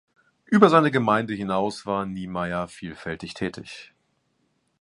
Über seine Gemeinde hinaus war Niemeyer vielfältig tätig.